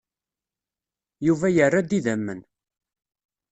Yuba yerra-d idammen.